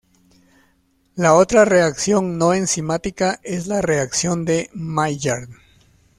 La otra reacción no enzimática es la reacción de Maillard.